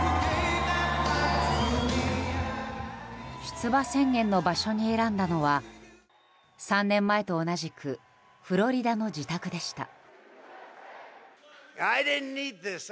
出馬宣言の場所に選んだのは３年前と同じくフロリダの自宅でした。